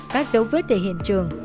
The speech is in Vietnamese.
các dấu vết về hiện trường